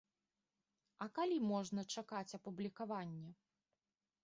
А калі можна чакаць апублікавання?